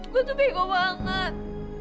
gue tuh bingung banget